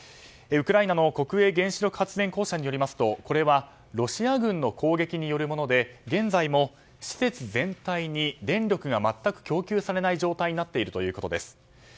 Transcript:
ウクライナの国営原子力公社によりますとこれはロシア軍の攻撃によるもので現在も施設全体に電力が全く供給されない状態になっているということです。